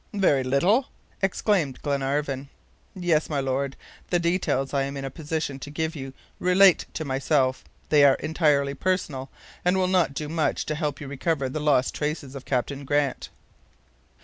"Very little," exclaimed Glenarvan. "Yes, my Lord, the details I am in a position to give you relate to myself. They are entirely personal, and will not do much to help you to recover the lost traces of Captain Grant."